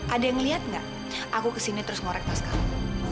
ada yang lihat nggak aku kesini terus ngorek tas kamu